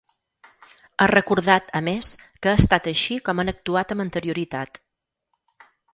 Ha recordat, a més, que ha estat així com han actuat amb anterioritat.